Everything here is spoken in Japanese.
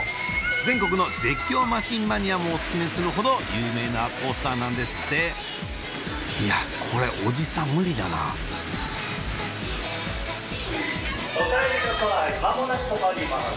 全国の絶叫マシンマニアもオススメするほど有名なコースターなんですっていやこれおじさん無理だなおかえりなさい間もなく止まります。